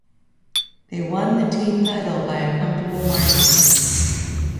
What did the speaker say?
They won the team title by a comfortable margin.